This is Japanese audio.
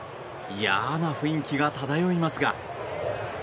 嫌な雰囲気が漂いますが。